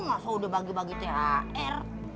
masa udah bagi bagi thr